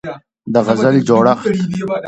د غزل جوړښت